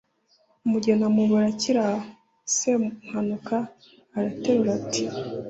umugeni amubura akiri aho. semuhanuka araterura ati